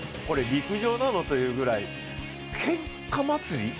陸上なのというぐらい、けんか祭り？